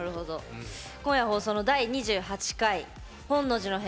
今夜放送の第２８回「本能寺の変」